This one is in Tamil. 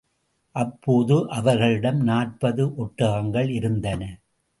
அப்போது அவர்களிடம் நாற்பது ஒட்டகங்கள் இருந்தன.